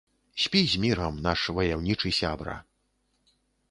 Спі з мірам, наш ваяўнічы сябра!